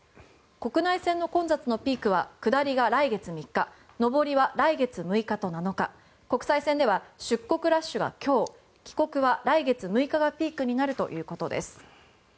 国内線の混雑のピークは上りが来月３日上りは来月６日と７日国際線では出国ラッシュが今日帰国は来月６日がピークになるということです。